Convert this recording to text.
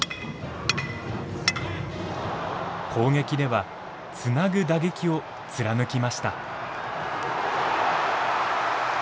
攻撃ではつなぐ打撃を貫きました。